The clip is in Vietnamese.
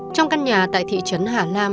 trong căn nhà tại thị trấn hà nam